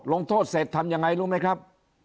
ลงโทษเสร็จทำยังไงรู้ไหมครับ